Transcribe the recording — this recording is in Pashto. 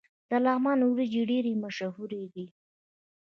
د لغمان وریجې ډیرې مشهورې دي.